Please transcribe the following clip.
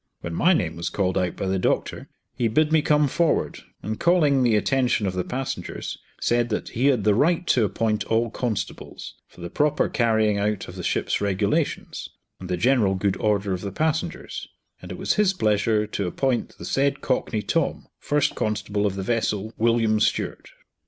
When my name was called out by the doctor, he bid me come forward, and calling the attention of the passengers, said that he had the right to appoint all constables, for the proper carrying out of the ship's regulations, and the general good order of the passengers, and it was his pleasure to appoint the said Cockney Tom first constable of the vessel "William Stuart."